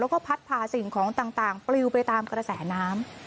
แล้วก็พัดพาสิ่งของต่างปลิวไปตามกระแสน้ำ